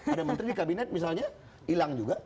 ada menteri di kabinet misalnya hilang juga